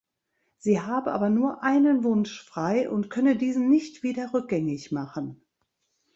Sie habe aber nur einen Wunsch frei und könne diesen nicht wieder rückgängig machen.